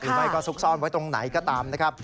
ไม่ก็ซุกซ่อนไว้ตรงไหนก็ตามนะครับ